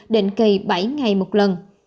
định kỳ bảy ngày một lần